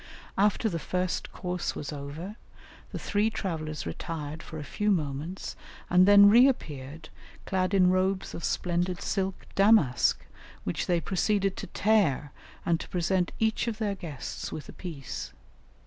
After the first course was over the three travellers retired for a few moments and then reappeared, clad in robes of splendid silk damask, which they proceeded to tear, and to present each of their guests with a piece.